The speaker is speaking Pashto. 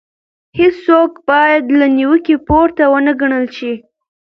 هيڅوک بايد له نيوکې پورته ونه ګڼل شي.